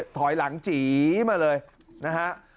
ถอยหลังจีมาเลยนะฮะ